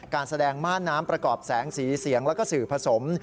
การแสดงม่านน้ำประกอบแสงสีเสียงแล้วก็สื่อผสม